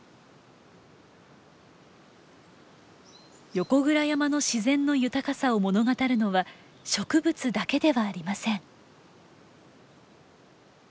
横倉山の自然の豊かさを物語るのは植物だけではありません。